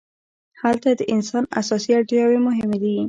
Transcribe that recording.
هلته د انسان اساسي اړتیاوې مهمې دي.